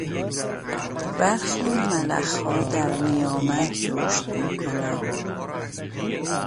برخی ملخها در نیامک رشد میکنند.